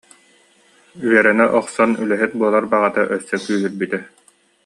Үөрэнэ охсон үлэһит буолар баҕата өссө күүһүрбүтэ